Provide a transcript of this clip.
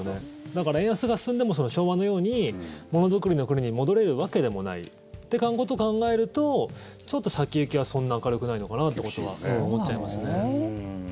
だから、円安が進んでも昭和のように、ものづくりの国に戻れるわけでもない。ってことを考えるとちょっと先行きはそんな明るくないのかなってことはすごく思っちゃいますね。